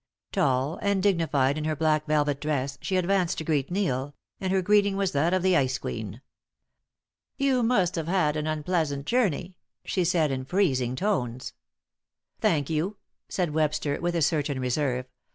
Tall and dignified in her black velvet dress, she advanced to greet Neil, and her greeting was that of the Ice Queen. "You must have had an unpleasant journey," she said, in freezing tones. "Thank you," said Webster, with a certain reserve.